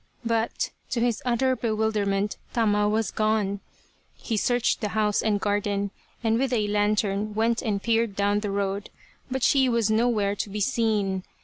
But to his utter bewilderment Tama was gone. He searched the house and garden, and with a lantern went and peered down the road, but she was nowhere to be seen.